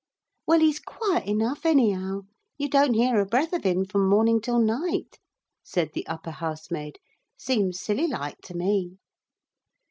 'Well, he's quiet enough, anyhow. You don't hear a breath of him from morning till night,' said the upper housemaid; 'seems silly like to me.'